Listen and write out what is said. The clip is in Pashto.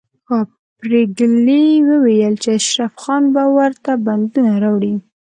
پريګلې وویل چې اشرف خان به ورته بندونه راوړي